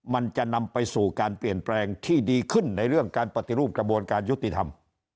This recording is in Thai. มันจะนำไปสู่การเปลี่ยนแปลงที่ดีขึ้นในเรื่องการปฏิรูปกระบวนการยุติธรรม